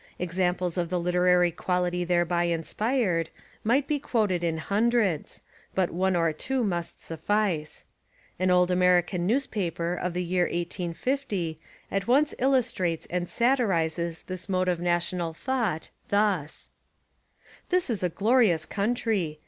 Ex amples of the literary quality thereby inspired might be quoted in hundreds, but one or two must suffice. An old American newspaper of the year 1850 at once illustrates and satirises this mode of national thought thus : "This is a glorious country.